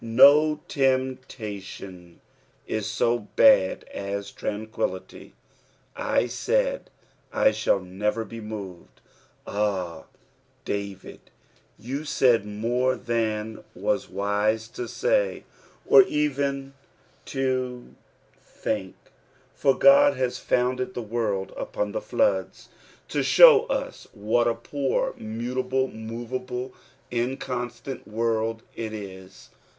No temptation is so bad as tranquillity. "/ laid, J *hall never it *oted.^' Ahl David, you said more than waa wise to aay, or even to ..oc^lc 60 EXPosmoKs OF thb psalus. think, for QoA has founded the woild upon the floods, to show as whit ft poor, mutable, movable, incoostant world it is.